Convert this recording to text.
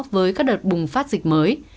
với các đợt bùng phát dịch mới